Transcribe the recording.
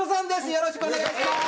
よろしくお願いします！